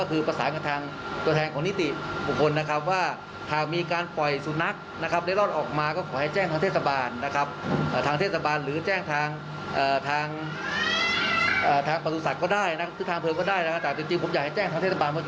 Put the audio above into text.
เพื่อมาดำเนินการก็คือฉีดยาสลบนะครับ